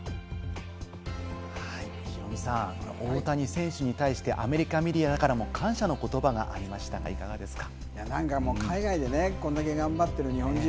ヒロミさん、大谷選手に対してアメリカメディアからも感謝の言葉がありましたが、いかがですか？